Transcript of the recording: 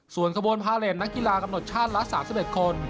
ส่วนขบวนพาเลสนักกีฬากำหนดชาติละ๓๑คน